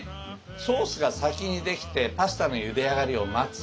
ソースが先に出来てパスタのゆで上がりを待つ。